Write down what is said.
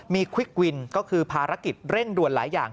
มีควิกวินก็คือภารกิจเร่งด่วนหลายอย่าง